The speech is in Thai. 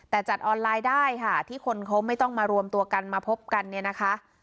แต่จัดออนไลน์ได้ค่ะที่คนเขาไม่ต้องมารวมตัวกันมาพบกันเนี่ยนะคะ